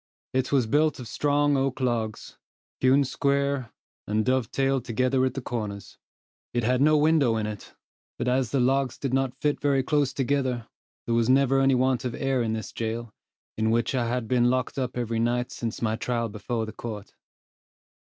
It was built of strong oak logs, hewn square, and dovetailed together at the corners. It had no window in it; but as the logs did not fit very close together, there was never any want of air in this jail, in which I had been locked up every night since my trial before the court.